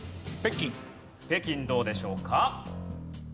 北京どうでしょうか？